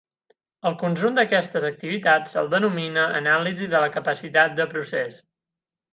Al conjunt d'aquestes activitats se'l denomina anàlisi de la capacitat de procés.